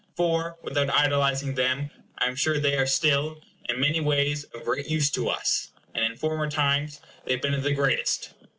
For, without idolizing them, I am sure they are still, in many ways, of great use to us; and in former times they have been of the greatest.